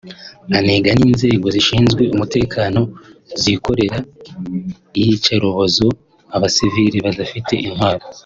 anenga n’inzego zishinwe umutekano zikorera iyicarubozo abasivili badafite intwaro